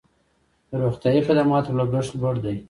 د روغتیايي خدماتو لګښت لوړ دی